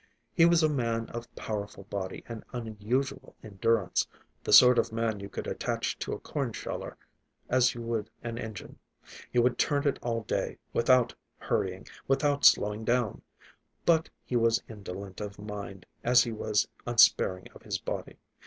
He was a man of powerful body and unusual endurance; the sort of man you could attach to a corn sheller as you would an engine. He would turn it all day, without hurrying, without slowing down. But he was as indolent of mind as he was unsparing of his body.